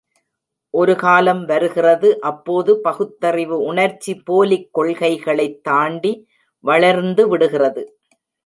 ஒரு காலம் வருகிறது அப்போது பகுத்தறிவு உணர்ச்சி போலிக் கொள்கைகளைத் தாண்டி வளர்ந்து விடுகிறது.